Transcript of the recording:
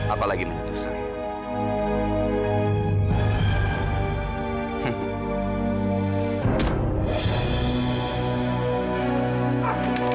apalagi menutup saya